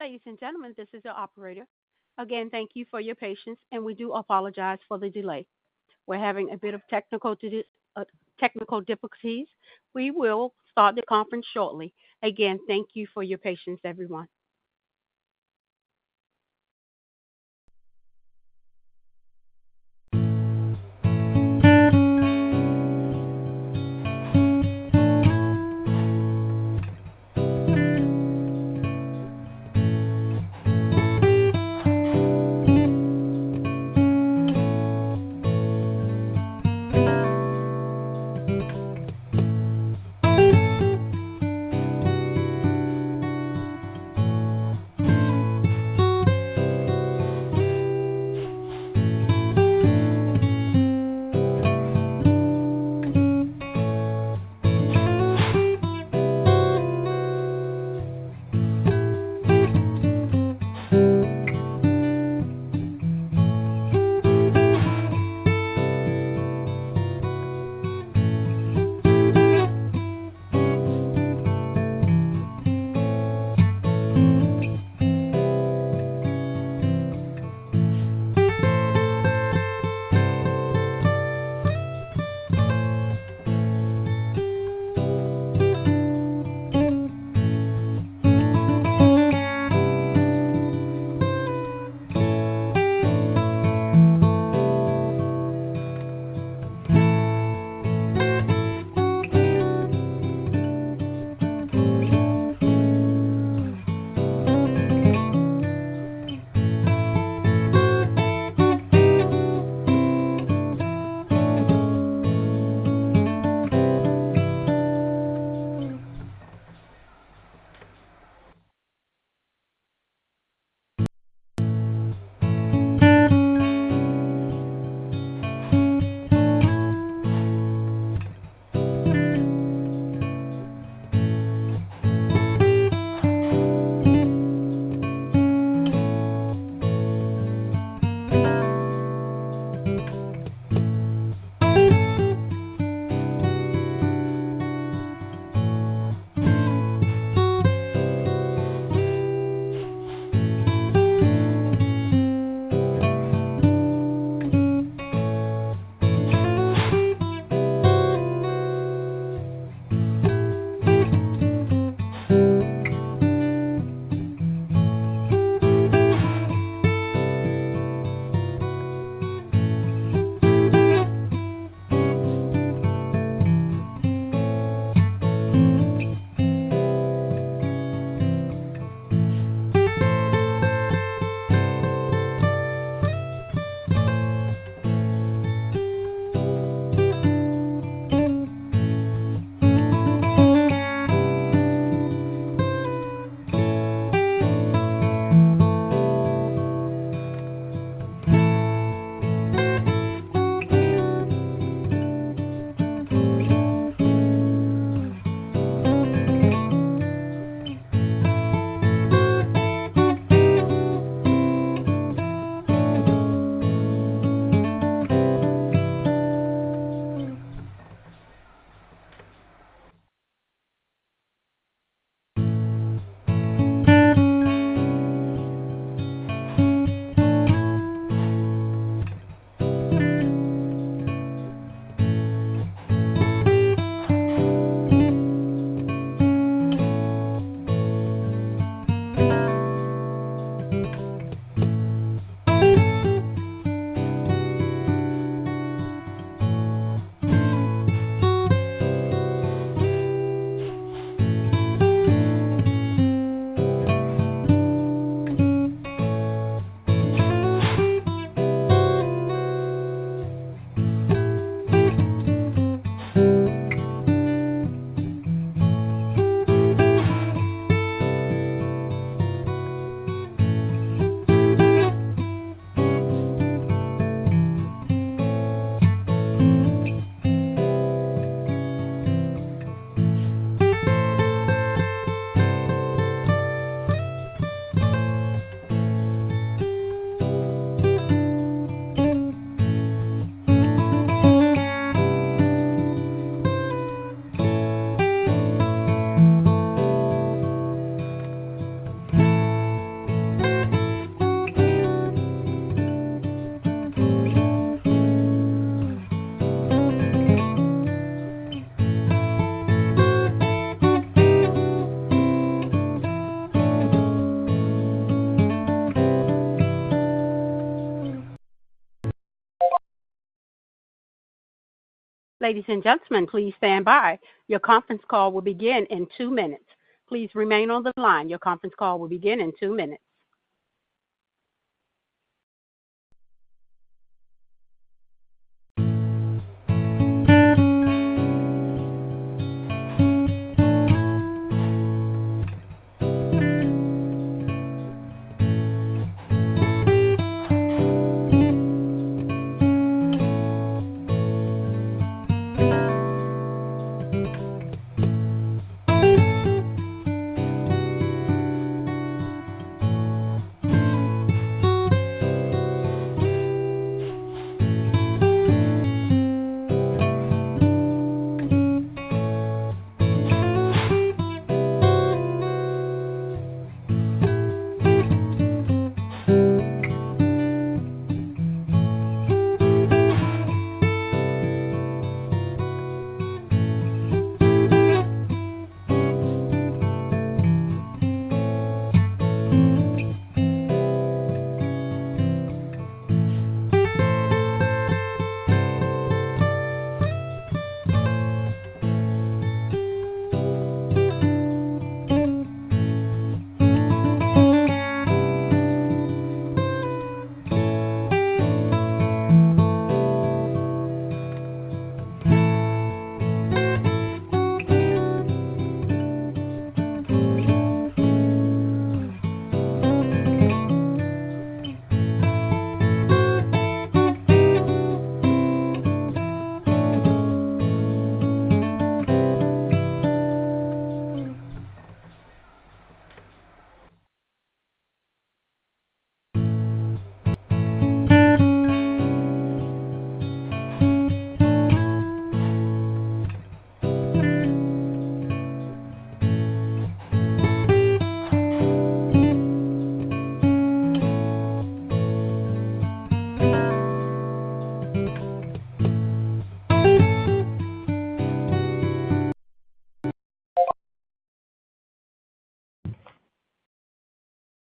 Ladies and gentlemen, this is the operator. Again, thank you for your patience, and we do apologize for the delay. We're having a bit of technical difficulties. We will start the conference shortly. Again, thank you for your patience, everyone.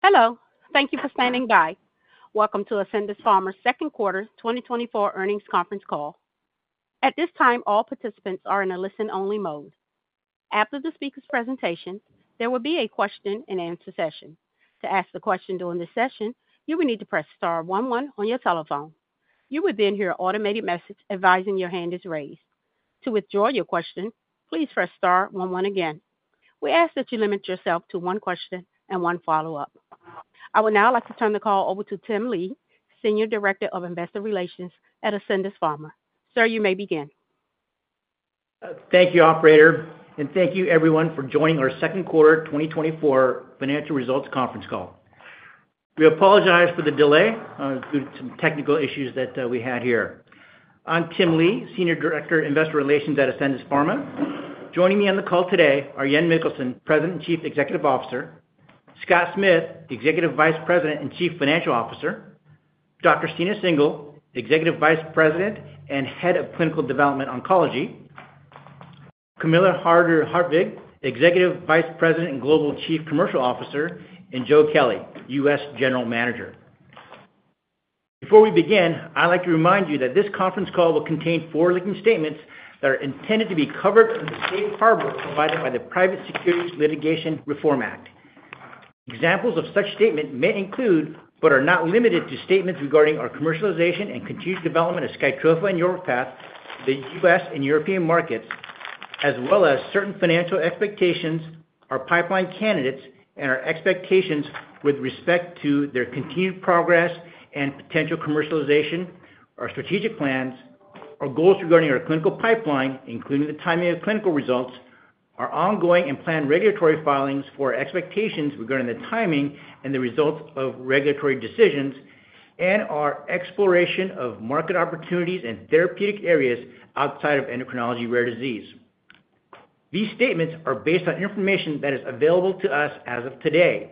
Hello, thank you for standing by. Welcome to Ascendis Pharma's second quarter 2024 earnings conference call. At this time, all participants are in a listen-only mode. After the speaker's presentation, there will be a question-and-answer session. To ask the question during this session, you will need to press star one one on your telephone. You would then hear an automated message advising your hand is raised. To withdraw your question, please press star one one again. We ask that you limit yourself to one question and one follow-up. I would now like to turn the call over to Tim Lee, Senior Director of Investor Relations at Ascendis Pharma. Sir, you may begin. Thank you, operator, and thank you everyone for joining our second quarter 2024 financial results conference call. We apologize for the delay, due to some technical issues that, we had here. I'm Tim Lee, Senior Director, Investor Relations at Ascendis Pharma. Joining me on the call today are Jan Mikkelsen, President and Chief Executive Officer, Scott Smith, Executive Vice President and Chief Financial Officer, Dr. Stina Singhal, Executive Vice President and Head of Clinical Development Oncology, Camilla Harder Hartvig, Executive Vice President and Global Chief Commercial Officer, and Joe Kelly, US General Manager. Before we begin, I'd like to remind you that this conference call will contain forward-looking statements that are intended to be covered under the safe harbor provided by the Private Securities Litigation Reform Act. Examples of such statement may include, but are not limited to, statements regarding our commercialization and continued development of Skytrofa and Yorvipath, the U.S. and European markets, as well as certain financial expectations, our pipeline candidates, and our expectations with respect to their continued progress and potential commercialization, our strategic plans, our goals regarding our clinical pipeline, including the timing of clinical results, our ongoing and planned regulatory filings for expectations regarding the timing and the results of regulatory decisions, and our exploration of market opportunities and therapeutic areas outside of endocrinology rare disease. These statements are based on information that is available to us as of today.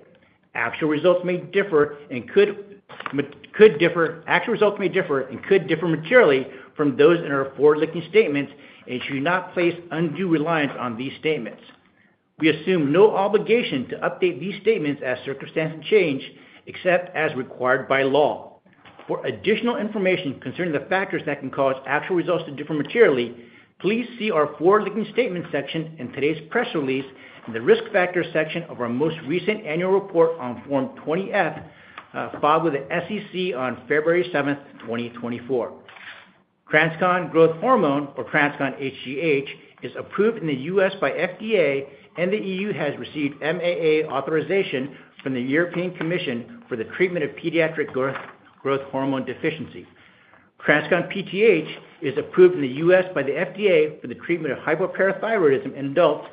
Actual results may differ and could differ materially from those in our forward-looking statements, and you should not place undue reliance on these statements. We assume no obligation to update these statements as circumstances change, except as required by law. For additional information concerning the factors that can cause actual results to differ materially, please see our forward-looking statement section in today's press release, and the Risk Factors section of our most recent annual report on Form 20-F, filed with the SEC on February 7th, 2024 TransCon Growth Hormone, or TransCon HGH, is approved in the US by FDA, and the EU has received MAA authorization from the European Commission for the treatment of pediatric growth hormone deficiency. TransCon PTH is approved in the US by the FDA for the treatment of hypoparathyroidism in adults,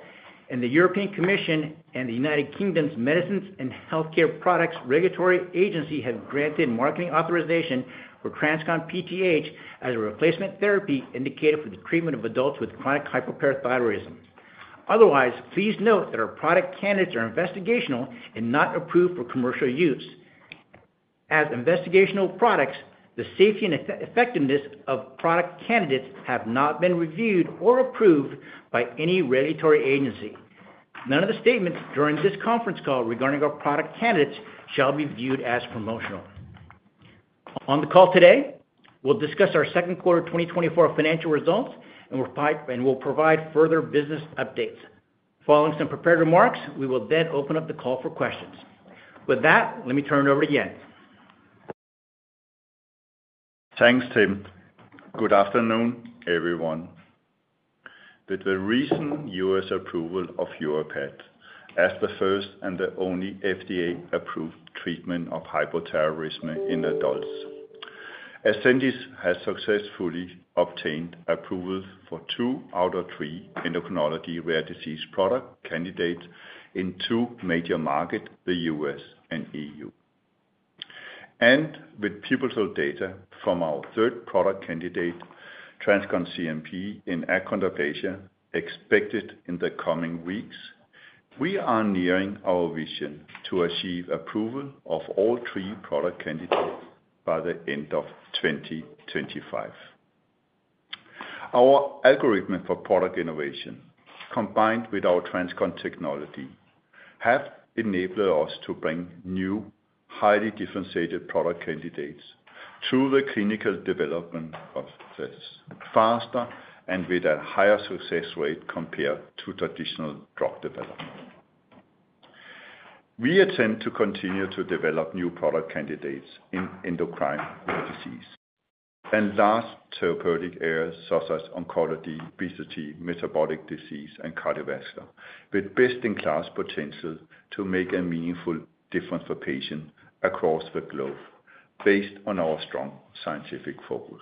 and the European Commission and the United Kingdom's Medicines and Healthcare Products Regulatory Agency have granted marketing authorization for TransCon PTH as a replacement therapy indicated for the treatment of adults with chronic hypoparathyroidism. Otherwise, please note that our product candidates are investigational and not approved for commercial use. As investigational products, the safety and effectiveness of product candidates have not been reviewed or approved by any regulatory agency. None of the statements during this conference call regarding our product candidates shall be viewed as promotional. On the call today, we'll discuss our second quarter 2024 financial results, and we'll provide further business updates. Following some prepared remarks, we will then open up the call for questions. With that, let me turn it over to Jan. Thanks, Tim. Good afternoon, everyone. With the recent US approval of Yorvipath as the first and the only FDA-approved treatment of hypoparathyroidism in adults, Ascendis has successfully obtained approvals for two out of three endocrinology rare disease product candidates in two major markets, the US and EU... and with pivotal data from our third product candidate, TransCon CNP in achondroplasia, expected in the coming weeks, we are nearing our vision to achieve approval of all three product candidates by the end of 2025. Our algorithm for product innovation, combined with our TransCon technology, have enabled us to bring new, highly differentiated product candidates to the clinical development process faster and with a higher success rate compared to traditional drug development. We intend to continue to develop new product candidates in endocrine disease and large therapeutic areas such as oncology, obesity, metabolic disease, and cardiovascular, with best-in-class potential to make a meaningful difference for patients across the globe, based on our strong scientific focus.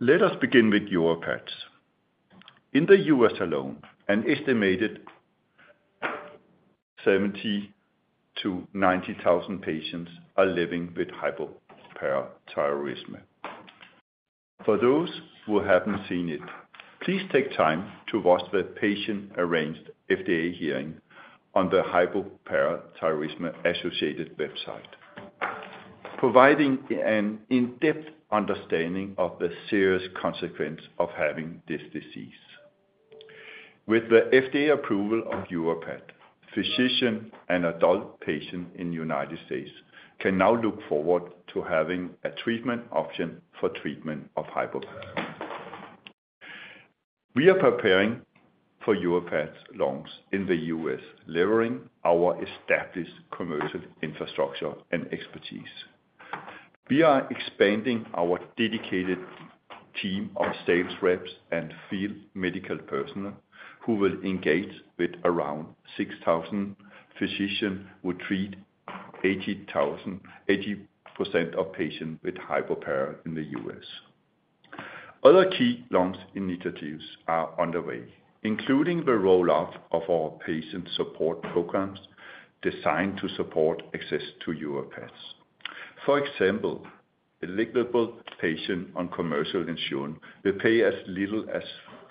Let us begin with Yorvipath. In the US alone, an estimated 70 to 90,000 patients are living with hypoparathyroidism. For those who haven't seen it, please take time to watch the patient-arranged FDA hearing on the Hypoparathyroidism-Associated website, providing an in-depth understanding of the serious consequence of having this disease. With the FDA approval of Yorvipath, physicians and adult patients in the United States can now look forward to having a treatment option for treatment of hypoparathyroidism. We are preparing for Yorvipath launch in the US, leveraging our established commercial infrastructure and expertise. We are expanding our dedicated team of sales reps and field medical personnel, who will engage with around 6000 physicians who treat eighty percent of patients with hypoparathyroidism in the U.S. Other key launch initiatives are underway, including the roll-out of our patient support programs designed to support access to Yorvipath. For example, eligible patients on commercial insurance will pay as little as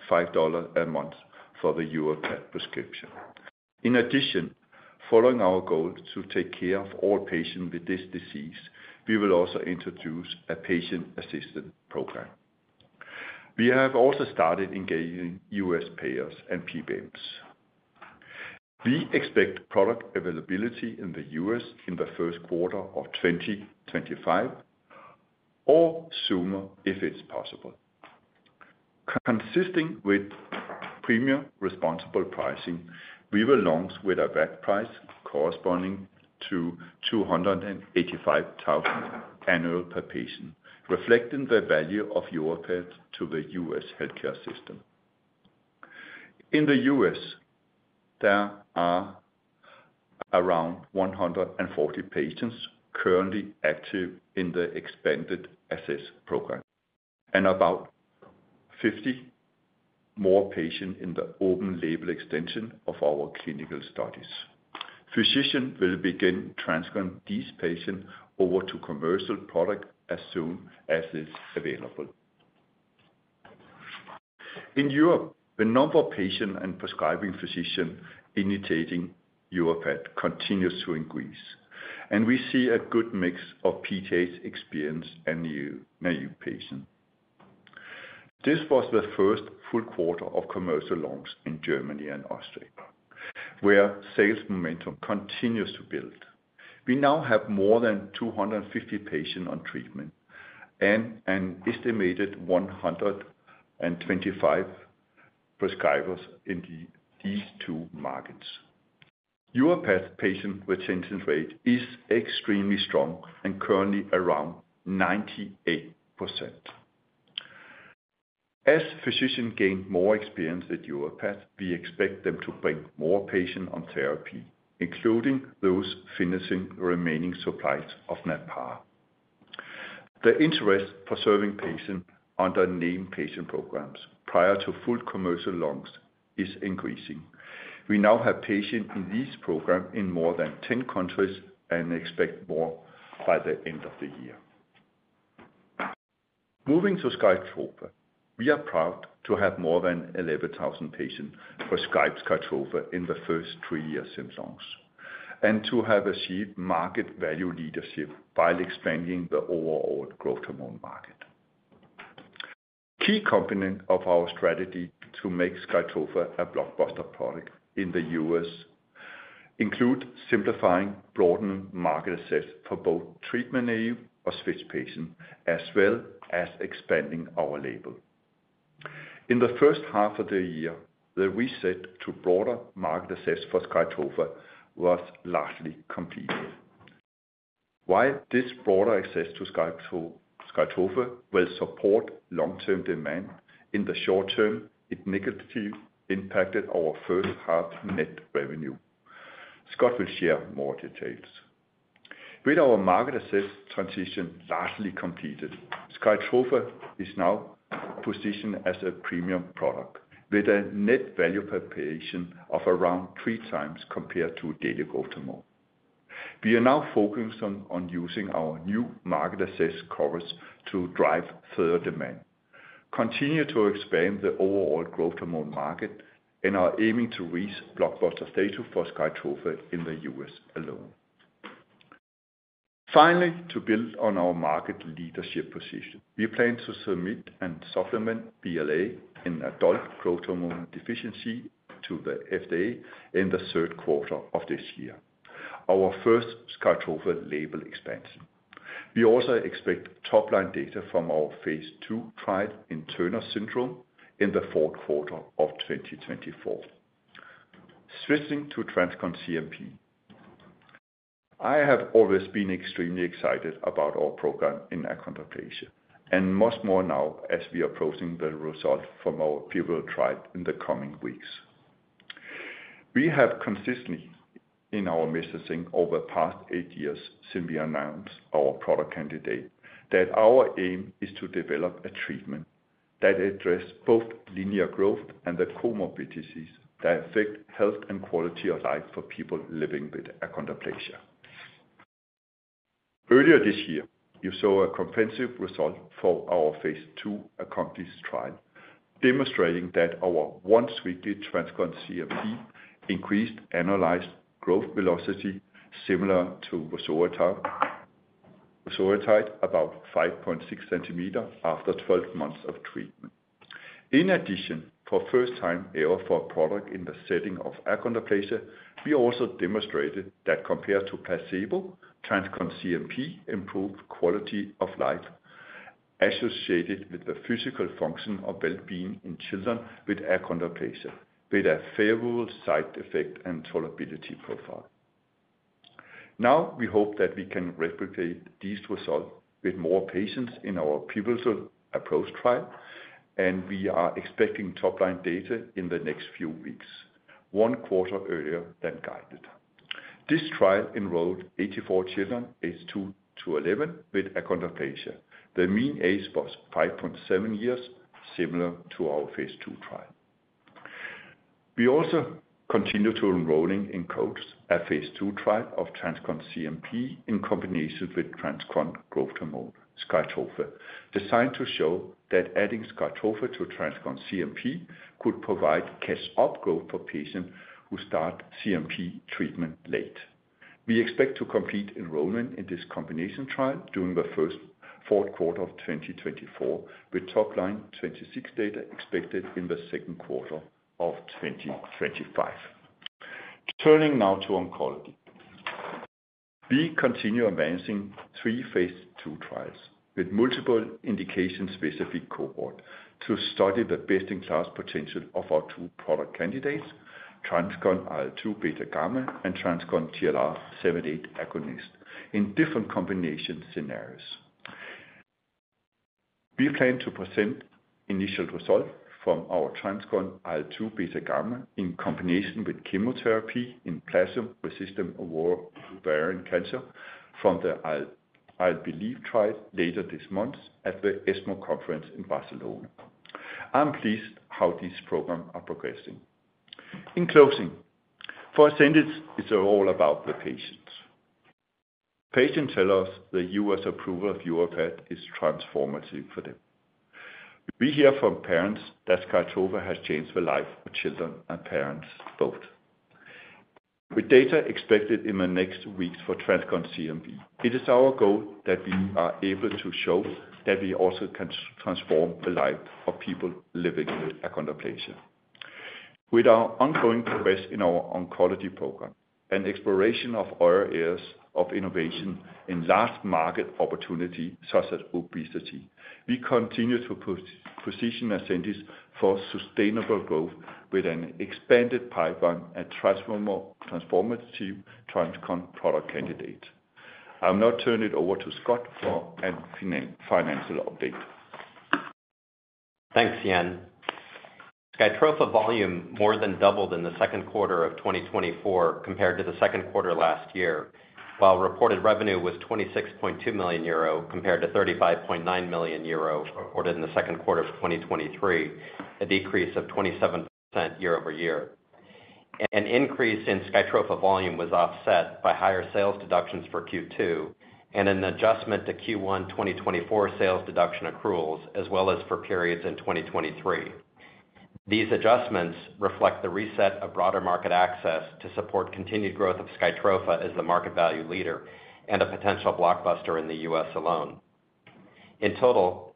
$5 a month for the Yorvipath prescription. In addition, following our goal to take care of all patients with this disease, we will also introduce a patient assistance program. We have also started engaging U.S. payers and PBMs. We expect product availability in the U.S. in the first quarter of 2025 or sooner if it's possible. Consistent with premier responsible pricing, we will launch with a list price corresponding to $285,000 annual per patient, reflecting the value of Yorvipath to the U.S. healthcare system. In the U.S., there are around 140 patients currently active in the expanded access program, and about 50 more patients in the open label extension of our clinical studies. Physicians will begin transferring these patients over to commercial product as soon as it's available. In Europe, the number of patients and prescribing physicians initiating Yorvipath continues to increase, and we see a good mix of PTH-experienced and new, naive patients. This was the first full quarter of commercial launch in Germany and Austria, where sales momentum continues to build. We now have more than 250 patients on treatment and an estimated 125 prescribers in these two markets. Yorvipath patient retention rate is extremely strong and currently around 98%. As physicians gain more experience with Yorvipath, we expect them to bring more patients on therapy, including those finishing remaining supplies of Natpar. The interest for serving patients under named patient programs prior to full commercial launch is increasing. We now have patients in this program in more than 10 countries and expect more by the end of the year. Moving to Skytrofa, we are proud to have more than 11,000 patients prescribed Skytrofa in the first three years since launch, and to have achieved market value leadership while expanding the overall growth hormone market. Key component of our strategy to make Skytrofa a blockbuster product in the US include simplifying broadened market access for both treatment-naive or switch patients, as well as expanding our label. In the first half of the year, the reset to broader market access for Skytrofa was largely completed. While this broader access to Skytrofa will support long-term demand, in the short term, it negatively impacted our first half net revenue. Scott will share more details. With our market access transition largely completed, Skytrofa is now positioned as a premium product, with a net value per patient of around three times compared to daily growth hormone. We are now focused on using our new market access coverage to drive further demand, continue to expand the overall growth hormone market, and are aiming to reach blockbuster status for Skytrofa in the U.S. alone. Finally, to build on our market leadership position, we plan to submit and supplement BLA in adult growth hormone deficiency to the FDA in the third quarter of this year, our first Skytrofa label expansion. We also expect top line data from our Phase II trial in Turner Syndrome in the fourth quarter of 2024. Switching to TransCon CNP. I have always been extremely excited about our program in achondroplasia, and much more now as we are approaching the result from our pivotal trial in the coming weeks. We have consistently in our messaging over the past eight years since we announced our product candidate, that our aim is to develop a treatment that addresses both linear growth and the comorbidities that affect health and quality of life for people living with achondroplasia. Earlier this year, you saw a comprehensive result for our Phase II ACCOMPLISH trial, demonstrating that our once-weekly TransCon CNP increased annualized growth velocity similar to vosoritide about 5.6 centimeters after 12 months of treatment. In addition, for the first time ever for a product in the setting of achondroplasia, we also demonstrated that compared to placebo, TransCon CNP improved quality of life associated with the physical function of well-being in children with achondroplasia, with a favorable side effect and tolerability profile. Now, we hope that we can replicate these results with more patients in our ApproaCH Trial, and we are expecting top-line data in the next few weeks, one quarter earlier than guided. This trial enrolled 84 children, aged 2 to 11, with achondroplasia. The mean age was 5.7 years, similar to our Phase II trial. We also continue enrolling in the Coach Trial, a phase II trial of TransCon CNP in combination with TransCon growth hormone, Skytrofa, designed to show that adding Skytrofa to TransCon CNP could provide catch-up growth for patients who start CNP treatment late. We expect to complete enrollment in this combination trial during the fourth quarter of 2024, with top-line 2026 data expected in the second quarter of 2025. Turning now to oncology. We continue advancing three Phase II trials with multiple indication-specific cohort to study the best-in-class potential of our two product candidates, TransCon IL-2 beta/gamma and TransCon TLR7/8 agonist, in different combination scenarios. We plan to present initial results from our TransCon IL-2 beta/gamma in combination with chemotherapy in platinum-resistant ovarian cancer from the IL-Believe trial later this month at the ESMO conference in Barcelona. I'm pleased how this program are progressing. In closing, for Ascendis, it's all about the patients. Patients tell us the U.S. approval of Yorvipath is transformative for them. We hear from parents that Skytrofa has changed the life of children and parents both. With data expected in the next weeks for TransCon CNP, it is our goal that we are able to show that we also can transform the lives of people living with achondroplasia. With our ongoing progress in our oncology program and exploration of other areas of innovation in large market opportunities such as obesity, we continue to position Ascendis for sustainable growth with an expanded pipeline and transform more transformative TransCon product candidate. I'll now turn it over to Scott for a financial update. Thanks, Jan. Skytrofa volume more than doubled in the second quarter of 2024 compared to the second quarter last year, while reported revenue was 26.2 million euro, compared to 35.9 million euro, reported in the second quarter of 2023, a decrease of 27% year-over-year. An increase in Skytrofa volume was offset by higher sales deductions for Q2, and an adjustment to Q1 2024 sales deduction accruals, as well as for periods in 2023. These adjustments reflect the reset of broader market access to support continued growth of Skytrofa as the market value leader and a potential blockbuster in the US alone. In total,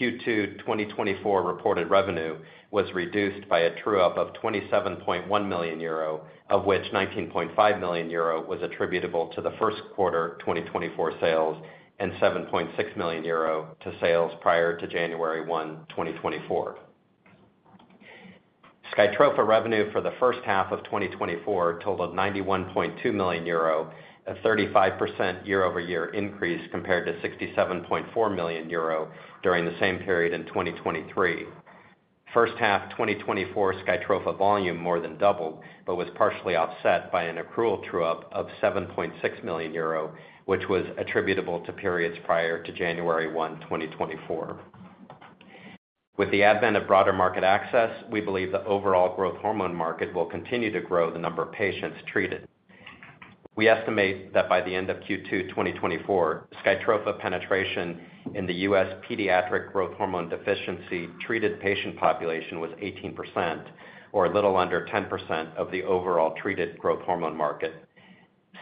Q2 2024 reported revenue was reduced by a true-up of 27.1 million euro, of which 19.5 million euro was attributable to the first quarter 2024 sales, and 7.6 million euro to sales prior to January 1, 2024. Skytrofa revenue for the first half of 2024 totaled 91.2 million euro, a 35% year-over-year increase compared to 67.4 million euro during the same period in 2023. First half 2024, Skytrofa volume more than doubled, but was partially offset by an accrual true-up of 7.6 million euro, which was attributable to periods prior to January 1, 2024. With the advent of broader market access, we believe the overall growth hormone market will continue to grow the number of patients treated. We estimate that by the end of Q2 2024, Skytrofa penetration in the U.S. pediatric growth hormone deficiency-treated patient population was 18%, or a little under 10% of the overall treated growth hormone market.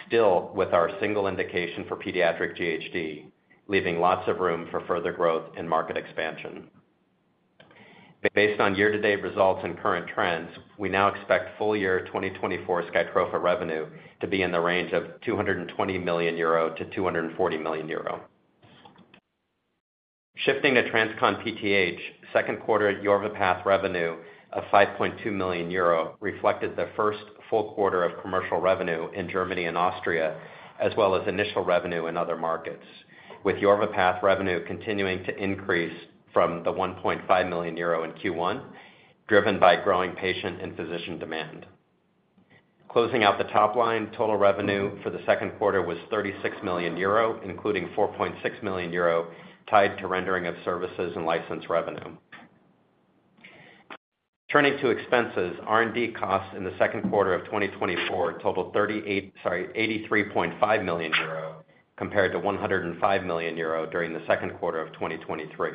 Still, with our single indication for pediatric GHD, leaving lots of room for further growth and market expansion. Based on year-to-date results and current trends, we now expect full year 2024 Skytrofa revenue to be in the range of 220 million-240 million euro. Shifting to TransCon PTH, second quarter Yorvipath revenue of 5.2 million euro reflected the first full quarter of commercial revenue in Germany and Austria, as well as initial revenue in other markets, with Yorvipath revenue continuing to increase from the 1.5 million euro in Q1, driven by growing patient and physician demand. Closing out the top line, total revenue for the second quarter was 36 million euro, including 4.6 million euro, tied to rendering of services and license revenue. Turning to expenses, R&D costs in the second quarter of 2024 totaled 83.5 million euro, compared to 105 million euro during the second quarter of 2023.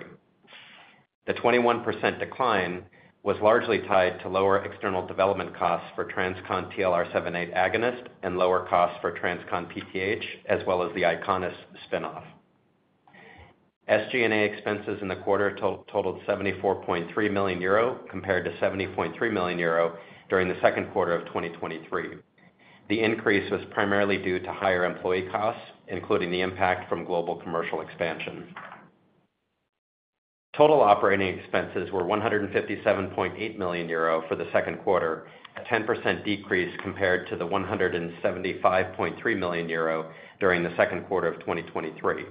The 21% decline was largely tied to lower external development costs for TransCon TLR7/8 Agonist and lower costs for TransCon PTH, as well as the Eyconis spin-off. SG&A expenses in the quarter totaled 74.3 million euro, compared to 70.3 million euro during the second quarter of 2023. The increase was primarily due to higher employee costs, including the impact from global commercial expansion. Total operating expenses were 157.8 million euro for the second quarter, a 10% decrease compared to 175.3 million euro during the second quarter of 2023.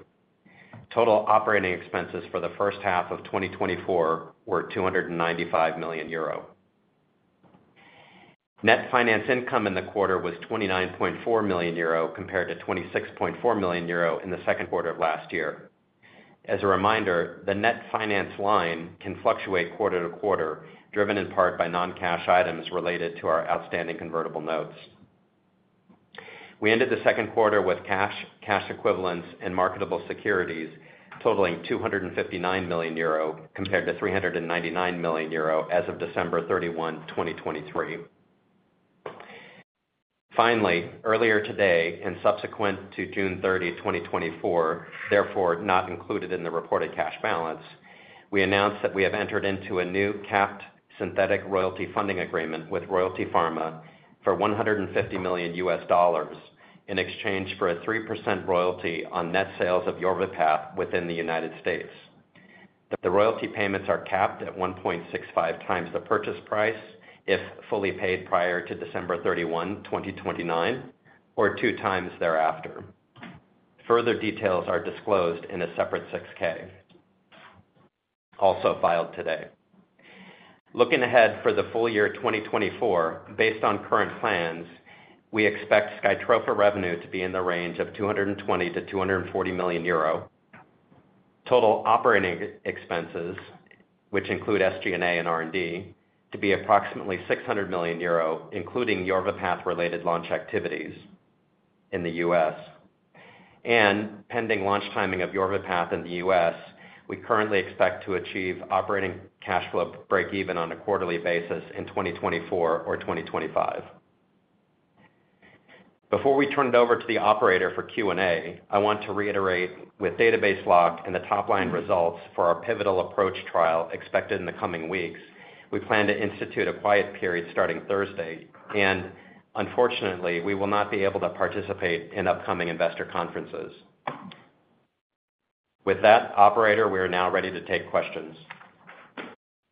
Total operating expenses for the first half of 2024 were 295 million euro. Net finance income in the quarter was 29.4 million euro, compared to 26.4 million euro in the second quarter of last year. As a reminder, the net finance line can fluctuate quarter to quarter, driven in part by non-cash items related to our outstanding convertible notes. We ended the second quarter with cash, cash equivalents, and marketable securities totaling 259 million euro, compared to 399 million euro as of December thirty-one, 2023. Finally, earlier today, and subsequent to June 30, 2024, therefore, not included in the reported cash balance, we announced that we have entered into a new capped synthetic royalty funding agreement with Royalty Pharma for $150 million, in exchange for a 3% royalty on net sales of Yorvipath within the United States. The royalty payments are capped at 1.65x the purchase price if fully paid prior to December 31, 2029, or 2x thereafter. Further details are disclosed in a separate 6-K, also filed today. Looking ahead for the full year 2024, based on current plans, we expect Skytrofa revenue to be in the range of €220 million-€240 million. Total operating expenses, which include SG&A and R&D, to be approximately 600 million euro, including Yorvipath-related launch activities in the U.S. Pending launch timing of Yorvipath in the U.S., we currently expect to achieve operating cash flow breakeven on a quarterly basis in 2024 or 2025. Before we turn it over to the operator for Q&A, I want to reiterate, with database locked and the top-line results for our pivotal ApproaCH Trial expected in the coming weeks, we plan to institute a quiet period starting Thursday, and unfortunately, we will not be able to participate in upcoming investor conferences. With that, operator, we are now ready to take questions.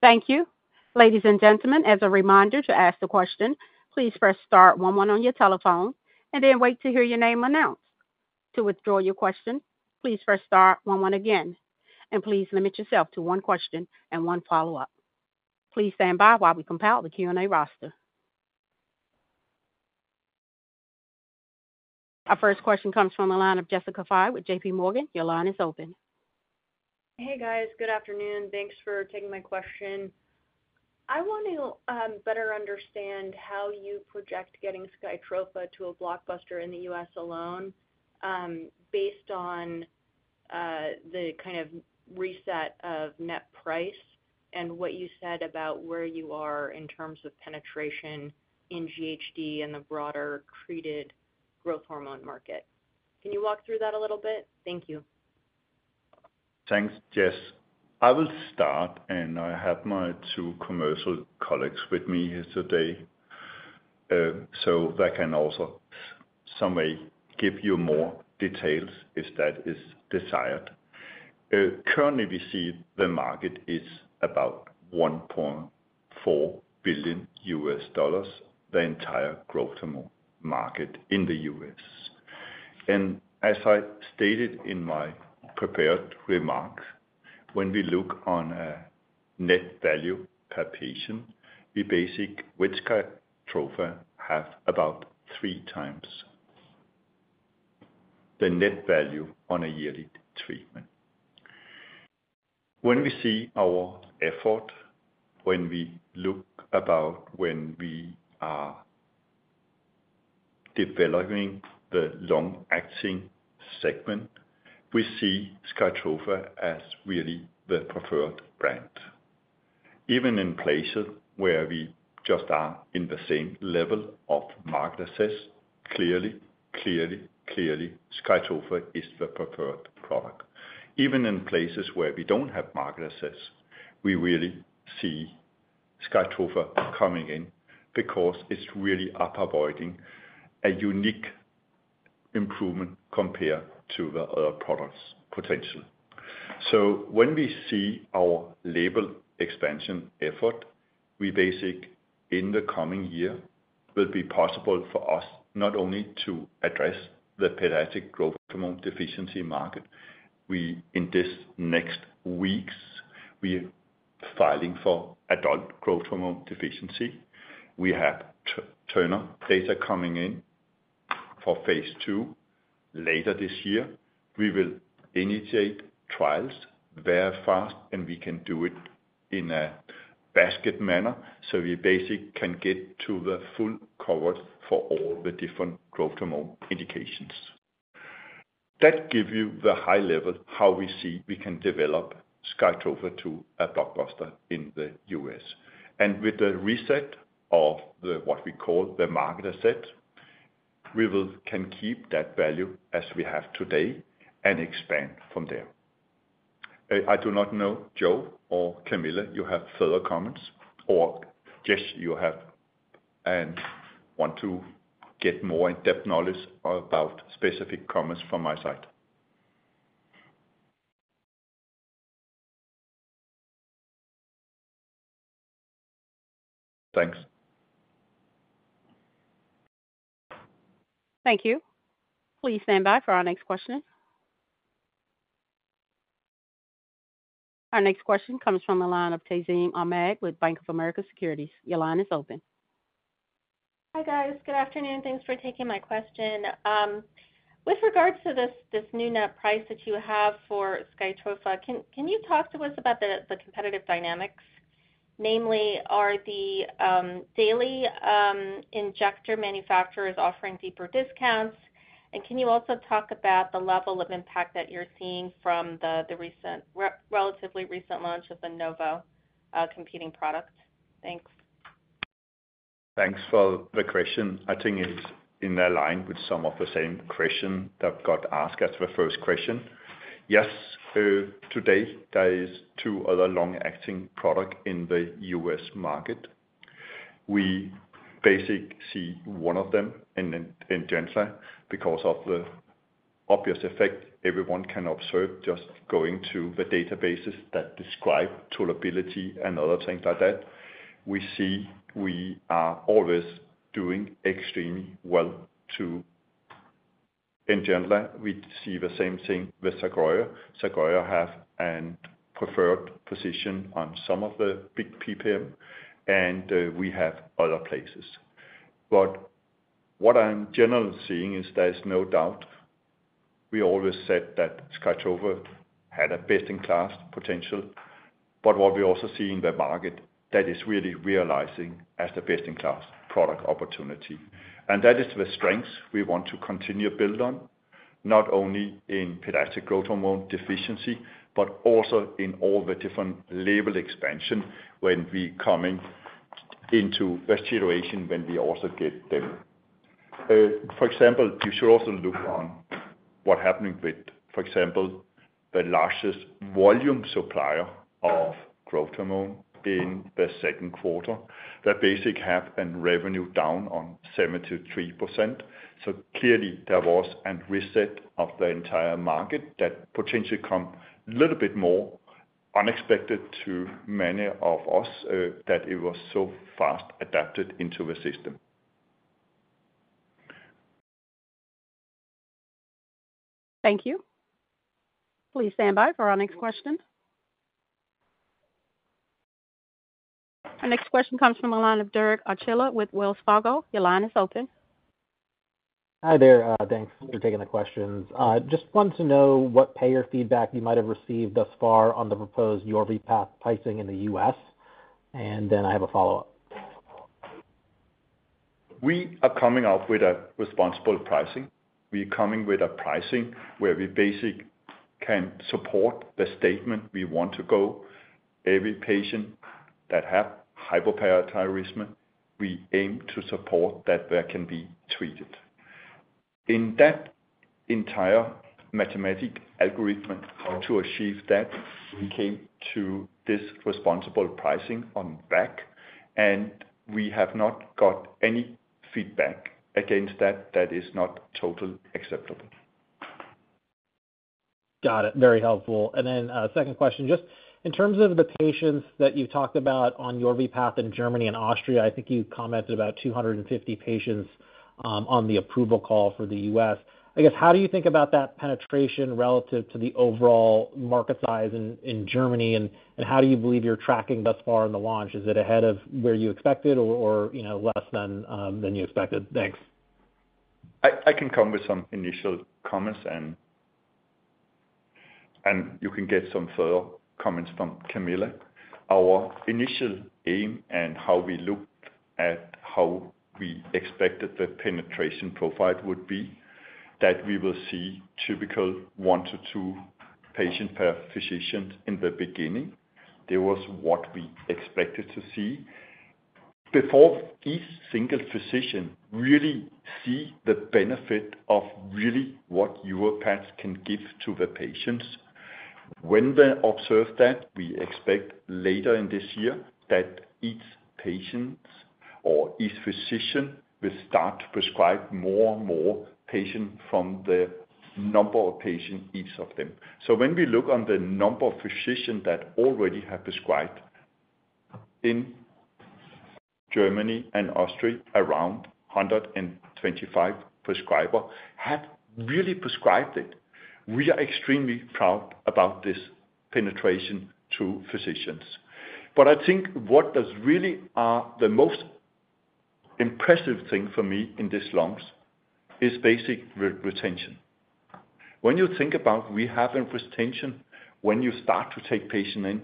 Thank you. Ladies and gentlemen, as a reminder to ask the question, please press star one one on your telephone and then wait to hear your name announced. To withdraw your question, please press star one one again, and please limit yourself to one question and one follow-up. Please stand by while we compile the Q&A roster. Our first question comes from the line of Jessica Fye with JP Morgan. Your line is open. Hey, guys. Good afternoon. Thanks for taking my question. I want to better understand how you project getting Skytrofa to a blockbuster in the US alone, based on the kind of reset of net price and what you said about where you are in terms of penetration in GHD and the broader treated growth hormone market. Can you walk through that a little bit? Thank you. Thanks, Jess. I will start, and I have my two commercial colleagues with me here today, so they can also some way give you more details if that is desired. Currently, we see the market is about $1.4 billion, the entire growth hormone market in the US.... As I stated in my prepared remarks, when we look on a net value per patient, we basically, which Skytrofa has about three times the net value on a yearly treatment. When we see our effort, when we look about when we are developing the long-acting segment, we see Skytrofa as really the preferred brand. Even in places where we just are in the same level of market access, clearly, clearly, clearly, Skytrofa is the preferred product. Even in places where we don't have market access, we really see Skytrofa coming in because it's really offering a unique improvement compared to the other products' potential. So when we see our label expansion effort, we basically, in the coming year, will be possible for us not only to address the pediatric growth hormone deficiency market. We, in these next weeks, we are filing for adult growth hormone deficiency. We have Turner data coming in for Phase II later this year. We will initiate trials very fast, and we can do it in a basket manner, so we basically can get to the full coverage for all the different growth hormone indications. That give you the high level, how we see we can develop Skytrofa to a blockbuster in the U.S. And with the reset of the, what we call the market asset, we can keep that value as we have today and expand from there. I do not know, Joe or Camilla, you have further comments or Jess, you have and want to get more in-depth knowledge about specific comments from my side? Thanks. Thank you. Please stand by for our next question. Our next question comes from the line of Tazeen Ahmad with Bank of America Securities. Your line is open. Hi, guys. Good afternoon. Thanks for taking my question. With regards to this new net price that you have for Skytrofa, can you talk to us about the competitive dynamics? Namely, are the daily injector manufacturers offering deeper discounts, and can you also talk about the level of impact that you're seeing from the relatively recent launch of the Novo competing product? Thanks. Thanks for the question. I think it's in line with some of the same question that got asked as the first question. Yes, today, there is two other long-acting product in the US market. We basically see one of them in Ngenla, because of the obvious effect everyone can observe just going to the databases that describe tolerability and other things like that. We see we are always doing extremely well, too. In general, we see the same thing with Sogroya. Sogroya have a preferred position on some of the big PBM, and we have other places. But what I'm generally seeing is there is no doubt, we always said that Skytrofa had a best-in-class potential, but what we also see in the market, that is really realizing as the best-in-class product opportunity. That is the strength we want to continue to build on, not only in pediatric growth hormone deficiency, but also in all the different label expansion when we coming into the situation, when we also get them. For example, you should also look at what's happening with, for example, the largest volume supplier of growth hormone in the second quarter. That basically had a revenue down 73%. So clearly there was a reset of the entire market that potentially came a little bit more unexpected to many of us, that it was so fast adopted into the system. Thank you. Please stand by for our next question. Our next question comes from the line of Derek Archila with Wells Fargo. Your line is open. Hi there. Thanks for taking the questions. Just wanted to know what payer feedback you might have received thus far on the proposed Yorvipath pricing in the U.S.? And then I have a follow-up. We are coming up with a responsible pricing. We are coming with a pricing where we basically can support the statement we want to go. Every patient that have hypoparathyroidism, we aim to support that they can be treated. In that entire mathematical algorithm, how to achieve that, we came to this responsible pricing on the back, and we have not got any feedback against that, that is totally acceptable.... Got it. Very helpful. And then, second question, just in terms of the patients that you've talked about on your Yorvipath in Germany and Austria, I think you commented about 250 patients on the approval call for the U.S. I guess, how do you think about that penetration relative to the overall market size in Germany? And how do you believe you're tracking thus far in the launch? Is it ahead of where you expected or, you know, less than you expected? Thanks. I can come with some initial comments, and you can get some further comments from Camilla. Our initial aim and how we looked at how we expected the penetration profile would be, that we will see typical one to two patient per physician in the beginning. There was what we expected to see. Before each single physician really see the benefit of really what Yorvipath can give to the patients, when they observe that, we expect later in this year that each patients or each physician will start to prescribe more and more patient from the number of patients, each of them. So when we look on the number of physicians that already have prescribed in Germany and Austria, around 125 prescriber have really prescribed it. We are extremely proud about this penetration to physicians. But I think what does really the most impressive thing for me in this launch is basic retention. When you think about we have a retention, when you start to take patient in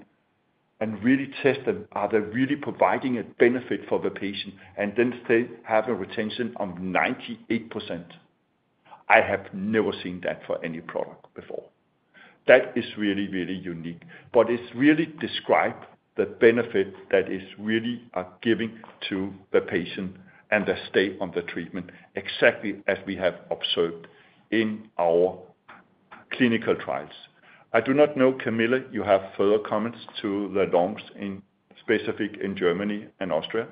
and really test them, are they really providing a benefit for the patient, and then they have a retention of 98%, I have never seen that for any product before. That is really, really unique, but it's really described the benefit that is really giving to the patient and the state of the treatment, exactly as we have observed in our clinical trials. I do not know, Camilla, you have further comments to the launch in specific in Germany and Austria?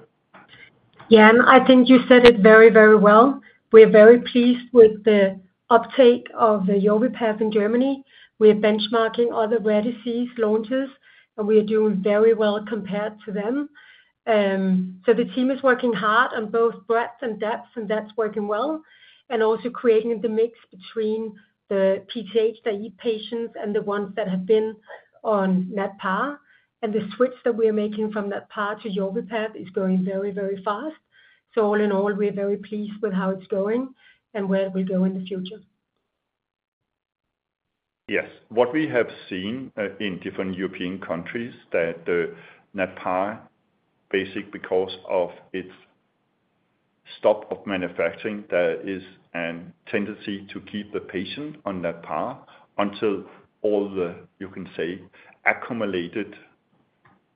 Yeah, I think you said it very, very well. We're very pleased with the uptake of Yorvipath in Germany. We are benchmarking other rare disease launches, and we are doing very well compared to them. So the team is working hard on both breadth and depth, and that's working well, and also creating the mix between the PTH-naïve patients and the ones that have been on Natpar. And the switch that we are making from Natpar to Yorvipath is going very, very fast. So all in all, we're very pleased with how it's going and where we go in the future. Yes. What we have seen in different European countries, that the Natpar, basically because of its stop of manufacturing, there is a tendency to keep the patient on Natpar until all the, you can say, accumulated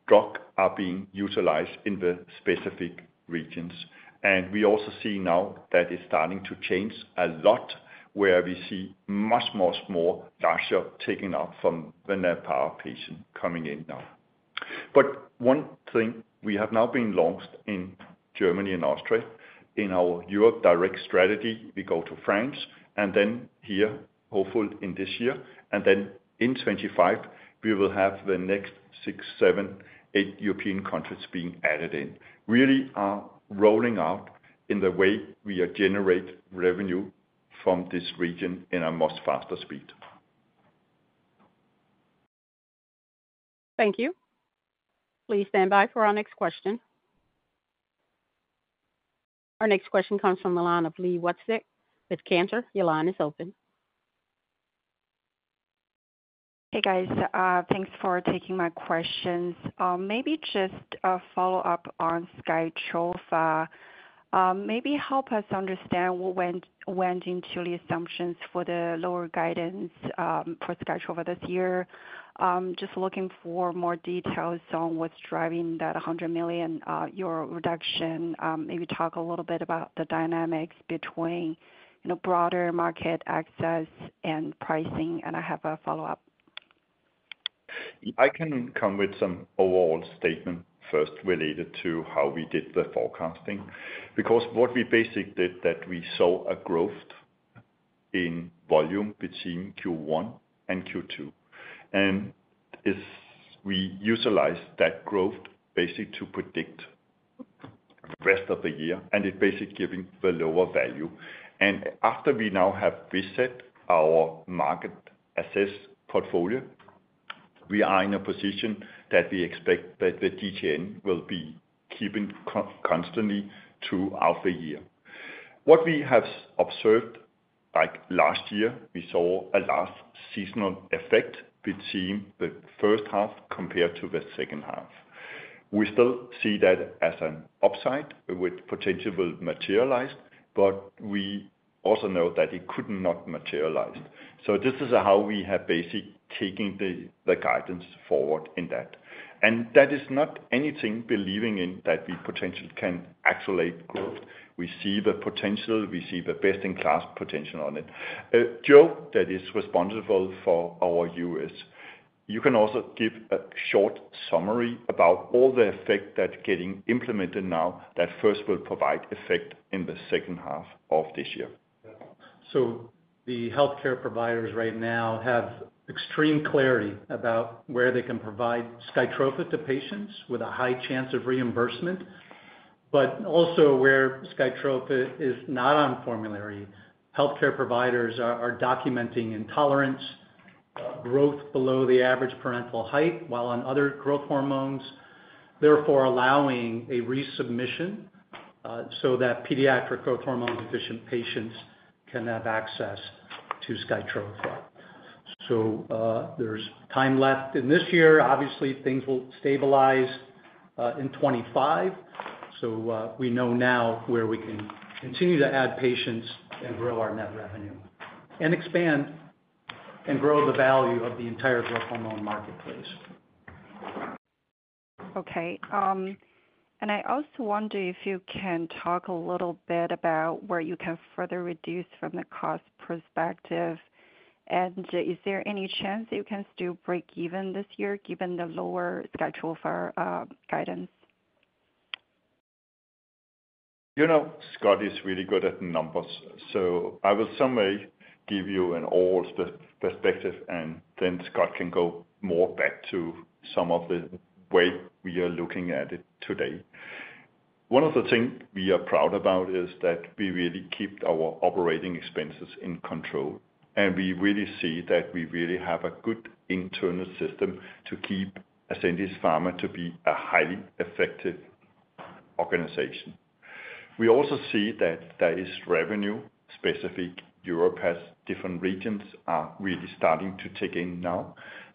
drug are being utilized in the specific regions. And we also see now that it's starting to change a lot, where we see much, much more Yorvipath taking up from the Natpar patient coming in now. But one thing, we have now been launched in Germany and Austria. In our Europe direct strategy, we go to France, and then here, hopefully in this year, and then in 2025, we will have the next six, seven, eight European countries being added in. Really are rolling out in the way we are generate revenue from this region in a much faster speed. Thank you. Please stand by for our next question. Our next question comes from the line of Li Watsek with Cantor Fitzgerald. Your line is open. Hey, guys, thanks for taking my questions. Maybe just a follow-up on Skytrofa. Maybe help us understand what went into the assumptions for the lower guidance for Skytrofa this year. Just looking for more details on what's driving that 100 million euro reduction. Maybe talk a little bit about the dynamics between, you know, broader market access and pricing, and I have a follow-up. I can come with some overall statement first related to how we did the forecasting. Because what we basically did was that we saw a growth in volume between Q1 and Q2. And as we utilize that growth basically to predict rest of the year, and it's basically giving the lower value. And after we now have reset our market access portfolio, we are in a position that we expect that the GTN will be kept constant throughout the year. What we have observed, like last year, we saw a lagged seasonal effect between the first half compared to the second half. We still see that as an upside, which potentially will materialize, but we also know that it could not materialize. So this is how we have basically taken the guidance forward in that. And that is not anything but believing in that we potentially can accelerate growth. We see the potential, we see the best-in-class potential on it. Joe, that is responsible for our U.S.-... you can also give a short summary about all the efforts that's getting implemented now that first will provide effects in the second half of this year. So the healthcare providers right now have extreme clarity about where they can provide Skytrofa to patients with a high chance of reimbursement, but also where Skytrofa is not on formulary. Healthcare providers are documenting intolerance, growth below the average parental height, while on other growth hormones, therefore allowing a resubmission, so that pediatric growth hormone deficient patients can have access to Skytrofa. So, there's time left in this year. Obviously, things will stabilize in 2025. So, we know now where we can continue to add patients and grow our net revenue, and expand and grow the value of the entire growth hormone marketplace. Okay. And I also wonder if you can talk a little bit about where you can further reduce from the cost perspective. And is there any chance that you can still break even this year, given the lower Skytrofa guidance? You know, Scott is really good at numbers, so I will someday give you an overall perspective, and then Scott can go more back to some of the way we are looking at it today. One of the things we are proud about is that we really keep our operating expenses in control, and we really see that we really have a good internal system to keep Ascendis Pharma to be a highly effective organization. We also see that there is revenue specific. Europe's different regions are really starting to take off now,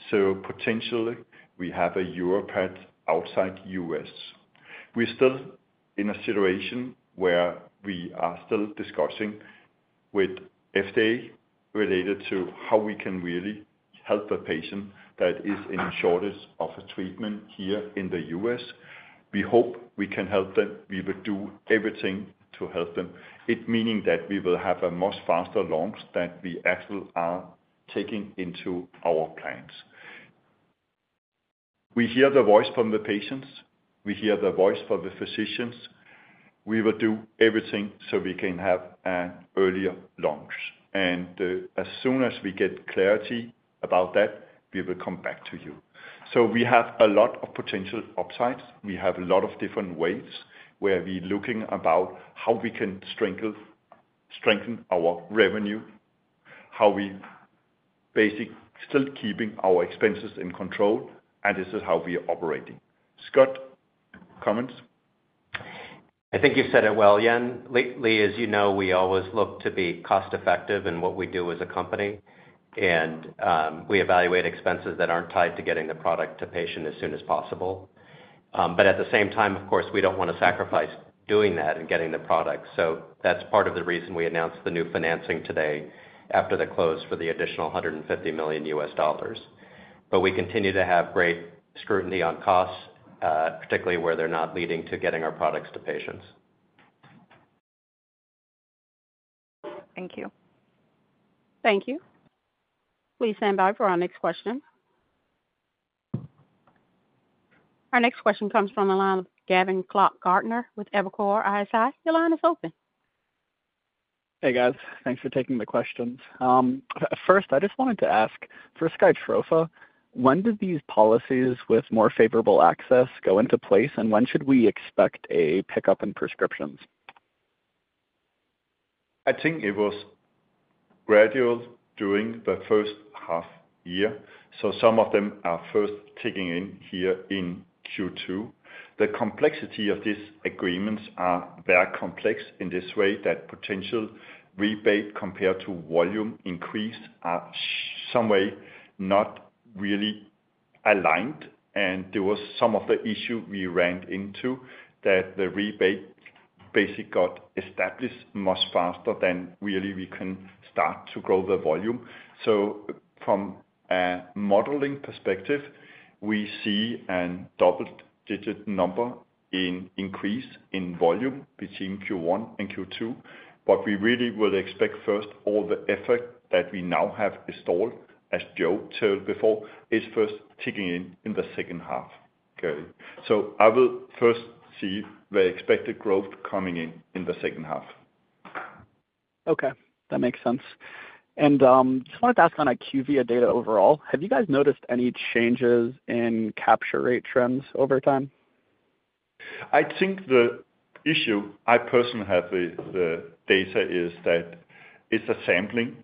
so potentially we have Europe ahead outside U.S. We're still in a situation where we are still discussing with FDA related to how we can really help a patient that is in shortage of a treatment here in the U.S. We hope we can help them. We will do everything to help them. It meaning that we will have a much faster launch than we actually are taking into our plans. We hear the voice from the patients, we hear the voice from the physicians. We will do everything so we can have an earlier launch, and as soon as we get clarity about that, we will come back to you. So we have a lot of potential upsides. We have a lot of different ways where we're looking about how we can strengthen our revenue, still keeping our expenses in control, and this is how we are operating. Scott, comments? I think you said it well, Jan. Lately, as you know, we always look to be cost effective in what we do as a company. And, we evaluate expenses that aren't tied to getting the product to patient as soon as possible. But at the same time, of course, we don't want to sacrifice doing that and getting the product. So that's part of the reason we announced the new financing today after the close for the additional $150 million. But we continue to have great scrutiny on costs, particularly where they're not leading to getting our products to patients. Thank you. Thank you. Please stand by for our next question. Our next question comes from the line of Gavin Clark-Gartner with Evercore ISI. Your line is open. Hey, guys. Thanks for taking the questions. First, I just wanted to ask for Skytrofa, when did these policies with more favorable access go into place, and when should we expect a pickup in prescriptions? I think it was gradual during the first half year, so some of them are first kicking in here in Q2. The complexity of these agreements are very complex in this way, that potential rebate compared to volume increase are some way not really aligned, and there was some of the issue we ran into, that the rebate basically got established much faster than really we can start to grow the volume. So from a modeling perspective, we see an double-digit number in increase in volume between Q1 and Q2, but we really would expect first all the effort that we now have installed, as Joe told before, is first kicking in, in the second half. Okay, so I will first see the expected growth coming in, in the second half. Okay, that makes sense. And, just wanted to ask on IQVIA data overall, have you guys noticed any changes in capture rate trends over time? I think the issue I personally have with the data is that it's a sampling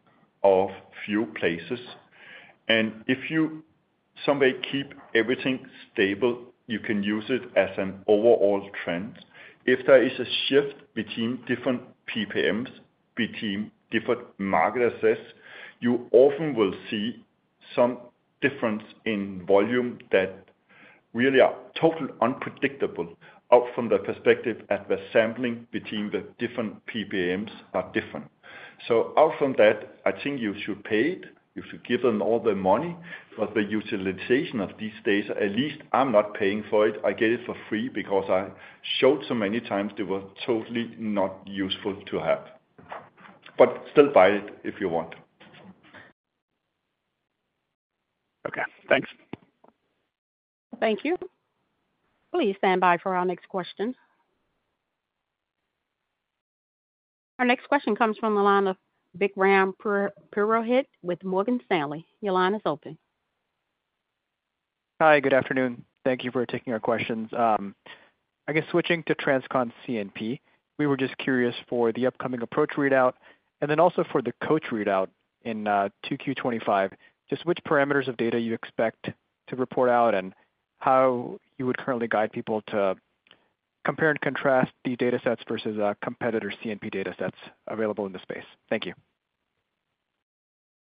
of few places, and if you someday keep everything stable, you can use it as an overall trend. If there is a shift between different PBMs, between different market access, you often will see some difference in volume that really are totally unpredictable, out from the perspective at the sampling between the different PBMs are different. So out from that, I think you should pay it. You should give them all the money for the utilization of these data. At least I'm not paying for it. I get it for free because I showed so many times they were totally not useful to have.... but still buy it if you want. Okay, thanks. Thank you. Please stand by for our next question. Our next question comes from the line of Vikram Purohit with Morgan Stanley. Your line is open. Hi, good afternoon. Thank you for taking our questions. I guess switching to TransCon CNP, we were just curious for the upcoming ApproaCH readout, and then also for the Coach readout in 2Q 2025, just which parameters of data you expect to report out and how you would currently guide people to compare and contrast the data sets versus competitor CNP data sets available in the space? Thank you.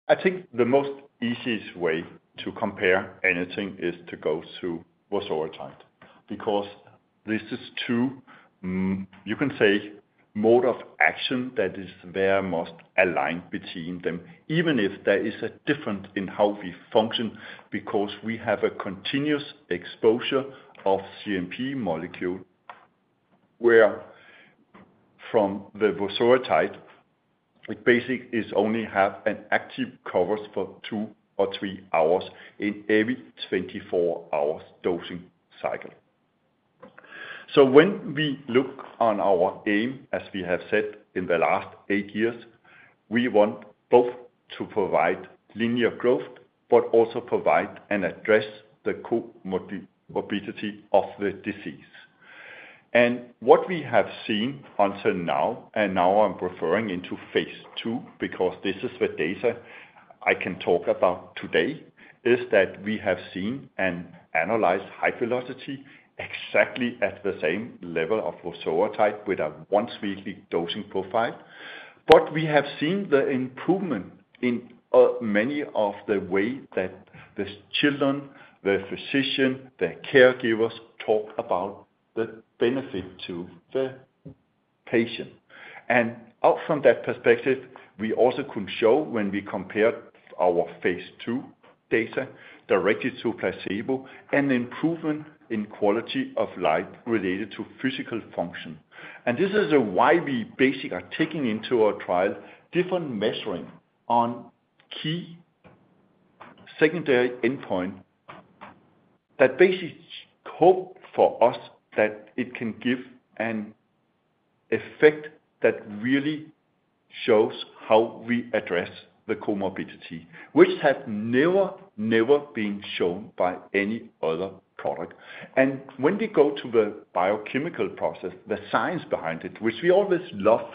I think the most easiest way to compare anything is to go to Vosoritide, because this is two, you can say, mode of action that is very most aligned between them, even if there is a difference in how we function, because we have a continuous exposure of CNP molecule, where from the Vosoritide, it basically is only have an active covers for two or three hours in every 24 hours dosing cycle. So when we look on our aim, as we have said in the last eight years, we want both to provide linear growth, but also provide and address the co-morbidity of the disease. And what we have seen until now, and now I'm referring into Phase II, because this is the data I can talk about today, is that we have seen an annualized height velocity exactly at the same level of Vosoritide with a once-weekly dosing profile. But we have seen the improvement in many of the ways that the children, the physician, the caregivers talk about the benefit to the patient. And from that perspective, we also could show when we compared our Phase II data directly to placebo, an improvement in quality of life related to physical function. And this is why we basically are taking into our trial different measuring on key secondary endpoint, that basically hope for us that it can give an effect that really shows how we address the comorbidity, which has never, never been shown by any other product. When we go to the biochemical process, the science behind it, which we always love,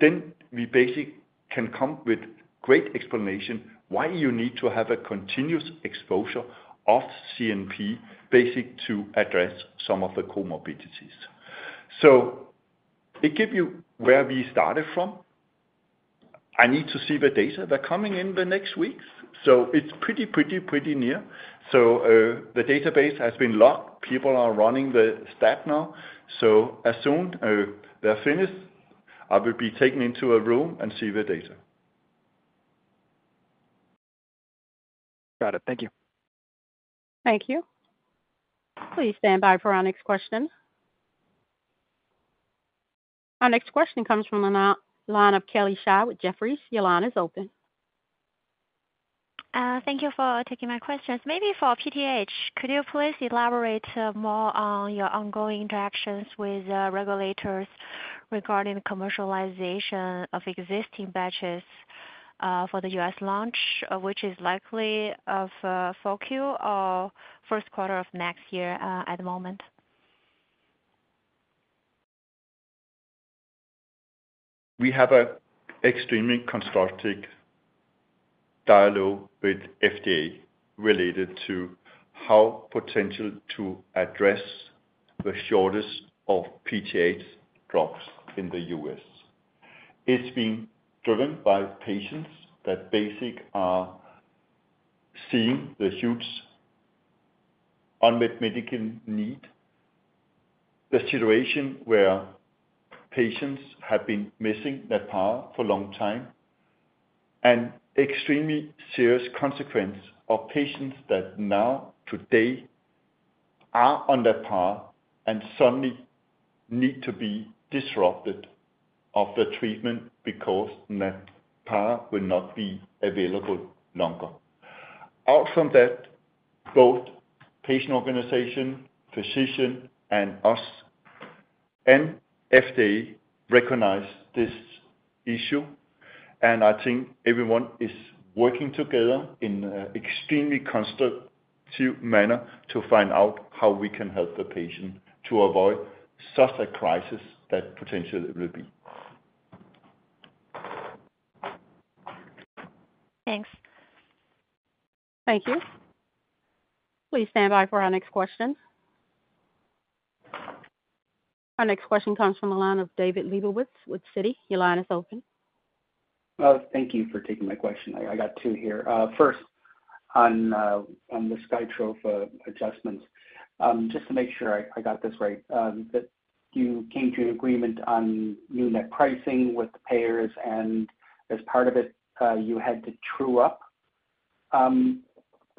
then we basically can come with great explanation why you need to have a continuous exposure of CNP, basically, to address some of the comorbidities. It give you where we started from. I need to see the data. They're coming in the next weeks, so it's pretty, pretty, pretty near. The database has been locked. People are running the stats now. As soon as they're finished, I will be taken into a room and see the data. Got it. Thank you. Thank you. Please stand by for our next question. Our next question comes from the line of Kelly Shi with Jefferies. Your line is open. Thank you for taking my questions. Maybe for PTH, could you please elaborate more on your ongoing interactions with regulators regarding commercialization of existing batches for the US launch, which is likely of Q4 or first quarter of next year at the moment? We have an extremely constructive dialogue with the FDA related to how to potentially address the shortage of PTH drugs in the US. It's being driven by patients that basically are seeing the huge unmet medical need, the situation where patients have been missing their PTH for a long time, and extremely serious consequences of patients that now, today, are on that PTH and suddenly need to be disrupted from the treatment because that PTH will not be available any longer. Out of that, both patient organizations, physicians, and us and the FDA recognize this issue, and I think everyone is working together in an extremely constructive manner to find out how we can help the patients to avoid such a crisis that potentially will be. Thanks. Thank you. Please stand by for our next question. Our next question comes from the line of David Lebowitz with Citi. Your line is open. Thank you for taking my question. I got two here. First, on the Skytrofa adjustments. Just to make sure I got this right, that you came to an agreement on new net pricing with the payers, and as part of it, you had to true-up?...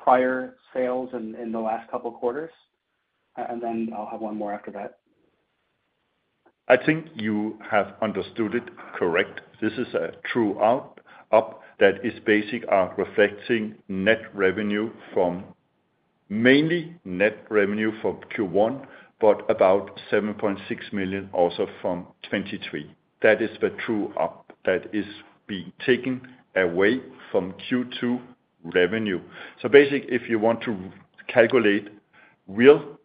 prior sales in the last couple of quarters? And then I'll have one more after that. I think you have understood it correct. This is a true-up that is basically reflecting net revenue from mainly net revenue from Q1, but about 7.6 million also from 2023. That is the true-up that is being taken away from Q2 revenue. So basically, if you want to calculate real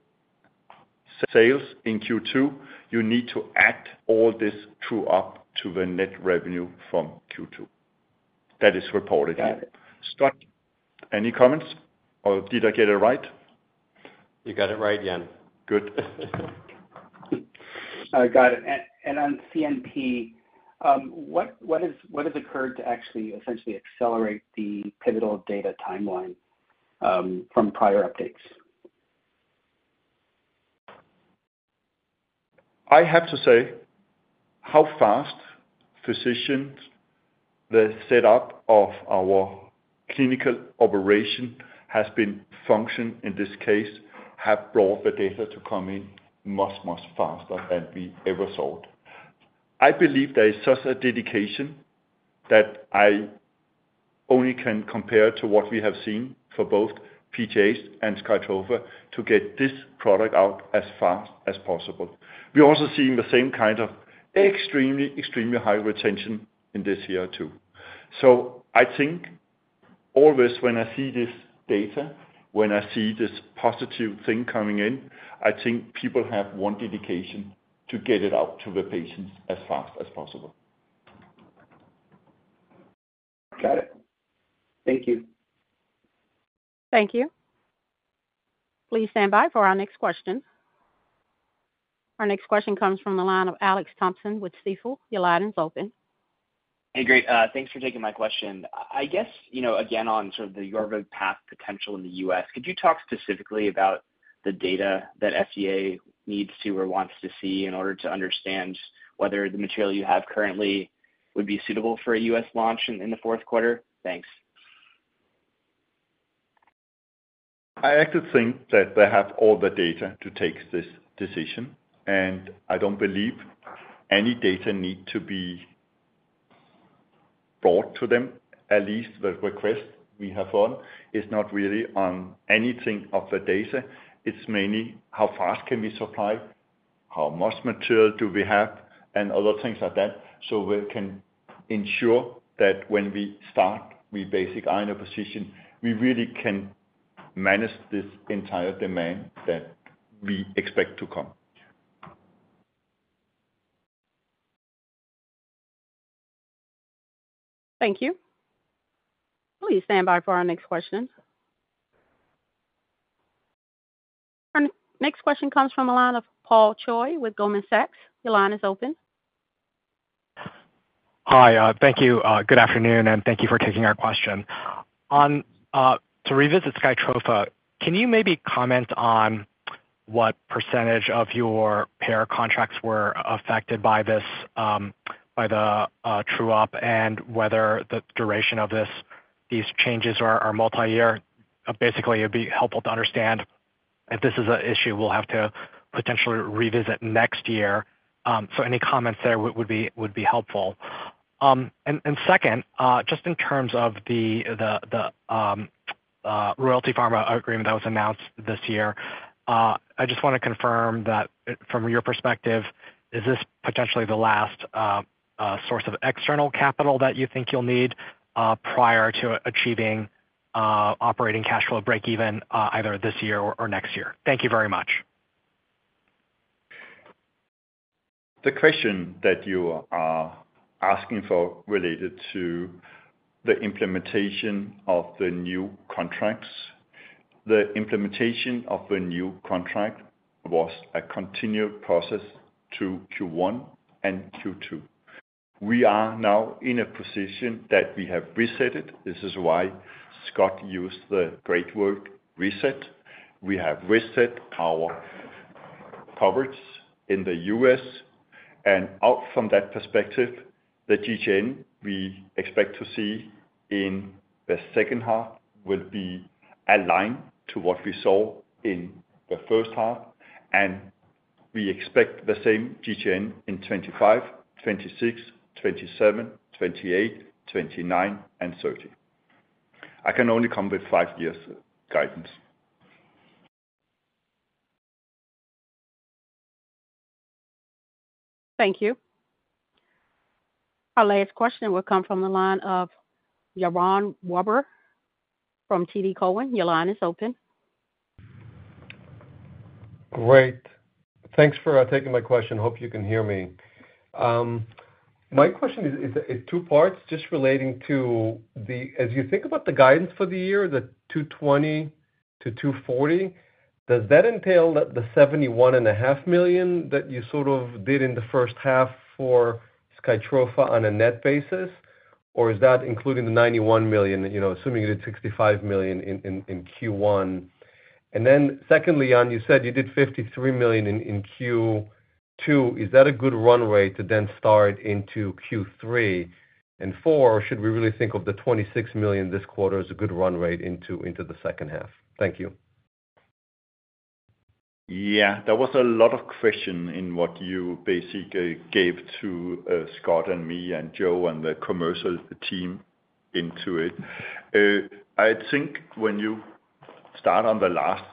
sales in Q2, you need to add all this true-up to the net revenue from Q2. That is reported. Got it. Scott, any comments, or did I get it right? You got it right, Jan. Good. I got it. And on TransCon CNP, what has occurred to actually essentially accelerate the pivotal data timeline from prior updates? I have to say how fast physicians, the setup of our clinical operation has been functioning in this case, have brought the data to come in much, much faster than we ever thought. I believe there is such a dedication that I only can compare to what we have seen for both PTH and Skytrofa to get this product out as fast as possible. We're also seeing the same kind of extremely, extremely high retention in this year, too, so I think always when I see this data, when I see this positive thing coming in, I think people have one dedication to get it out to the patients as fast as possible. Got it. Thank you. Thank you. Please stand by for our next question. Our next question comes from the line of Alex Thompson with Stifel. Your line is open. Hey, great. Thanks for taking my question. I guess, you know, again, on sort of the Yorvipath potential in the U.S., could you talk specifically about the data that FDA needs to or wants to see in order to understand whether the material you have currently would be suitable for a U.S. launch in the fourth quarter? Thanks. I actually think that they have all the data to take this decision, and I don't believe any data need to be brought to them. At least the request we have on is not really on anything of the data. It's mainly how fast can we supply, how much material do we have, and other things like that. So we can ensure that when we start, we basically are in a position, we really can manage this entire demand that we expect to come. Thank you. Please stand by for our next question. Our next question comes from the line of Paul Choi with Goldman Sachs. Your line is open. Hi, thank you. Good afternoon, and thank you for taking our question. On, to revisit Skytrofa, can you maybe comment on what percentage of your payer contracts were affected by this, by the true-up, and whether the duration of this, these changes are multi-year? Basically, it'd be helpful to understand if this is an issue we'll have to potentially revisit next year. So any comments there would be helpful. And second, just in terms of the Royalty Pharma agreement that was announced this year, I just want to confirm that from your perspective, is this potentially the last source of external capital that you think you'll need, prior to achieving operating cash flow breakeven, either this year or next year? Thank you very much. The question that you are asking for related to the implementation of the new contracts. The implementation of the new contract was a continued process to Q1 and Q2. We are now in a position that we have reset it. This is why Scott used the great word reset. We have reset our coverage in the U.S., and out from that perspective, the GGN we expect to see in the second half will be aligned to what we saw in the first half, and we expect the same GGN in 2025, 2026, 2027, 2028, 2029, and 2030. I can only come with five years guidance. Thank you. Our last question will come from the line of Yaron Werber from TD Cowen. Your line is open. Great. Thanks for taking my question. Hope you can hear me. My question is in two parts, just relating to the... As you think about the guidance for the year, the $220 million-$240 million, does that entail the $71.5 million that you sort of did in the first half for Skytrofa on a net basis? Or is that including the $91 million, you know, assuming you did $65 million in Q1? And then secondly, Jan, you said you did $53 million in Q2 too, is that a good run rate to then start into Q3? And four, should we really think of the $26 million this quarter as a good run rate into the second half? Thank you. Yeah, there was a lot of question in what you basically gave to Scott and me and Joe and the commercial team into it. I think when you start on the last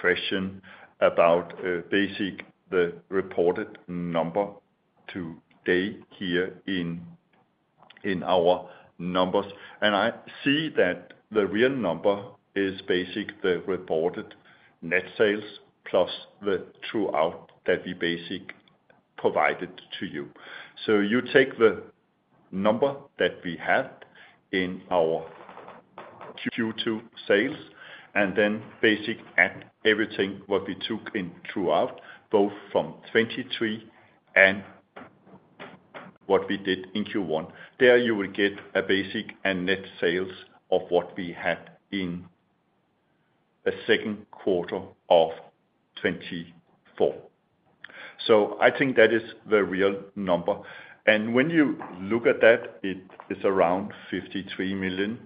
question about basically the reported number today here in our numbers, and I see that the real number is basically the reported net sales plus the true-up that we basically provided to you. So you take the number that we had in our Q2 sales, and then basically add everything what we took in throughout, both from 2023 and what we did in Q1. There you will get basically net sales of what we had in the second quarter of 2024. So I think that is the real number. When you look at that, it is around 53 million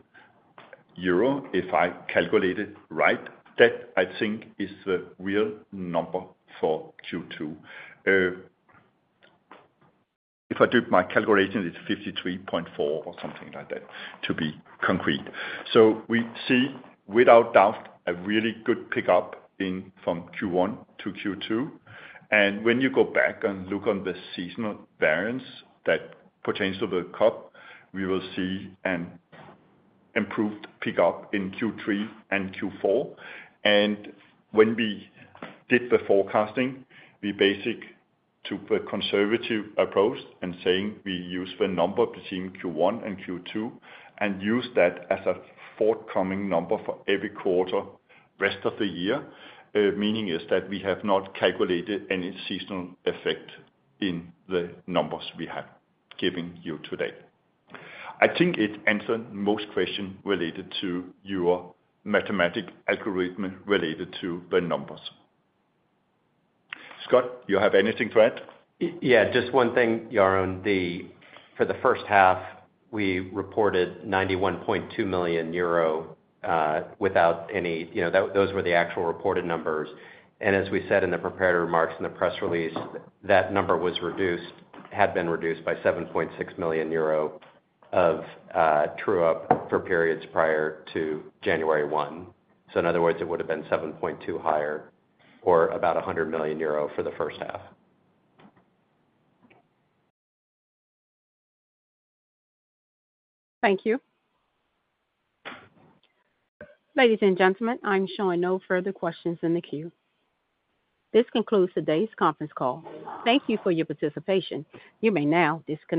euro, if I calculate it right. That, I think, is the real number for Q2. If I do my calculation, it's 53.4 or something like that, to be concrete, so we see, without doubt, a really good pickup from Q1 to Q2. When you go back and look at the seasonal variance that pertains to the comp, we will see an improved pickup in Q3 and Q4. When we did the forecasting, we basically took a conservative approach, saying we use the number between Q1 and Q2 and use that as a forthcoming number for every quarter rest of the year. Meaning is that we have not calculated any seasonal effect in the numbers we have giving you today. I think it answer most question related to your mathematic algorithm related to the numbers. Scott, you have anything to add? Yeah, just one thing, Yaron. For the first half, we reported 91.2 million euro without any... You know, that, those were the actual reported numbers. And as we said in the prepared remarks in the press release, that number was reduced, had been reduced by 7.6 million euro of true-up for periods prior to January 1. So in other words, it would have been 7.2 higher or about 100 million euro for the first half. Thank you. Ladies and gentlemen, I'm showing no further questions in the queue. This concludes today's conference call. Thank you for your participation. You may now disconnect.